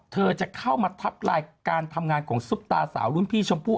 เธอจะเข้ามาทับลายการทำงานของซุปตาสาวรุ่นพี่ชมพู่